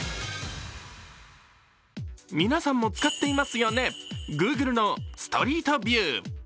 皆さんも使っていますよね、グーグルのストリートビュー。